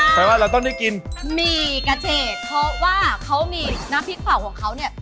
เพราะฉะนั้นวันนี้เราไปรู้จักกับเจ้าของร้าน